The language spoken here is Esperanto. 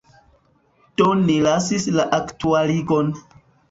Do ni lasis la aktualigon.